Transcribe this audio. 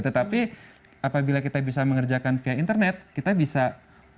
tetapi apabila kita bisa mengerjakan via internet kita bisa mengembangkan